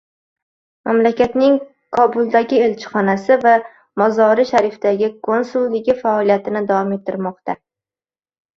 Mamlakatning Kobuldagi elchixonasi va Mozori-Sharifagi konsulligi faoliyatini davom ettirmoqda